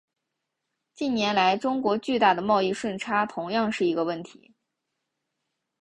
近年来中国巨大的贸易顺差同样是一个问题。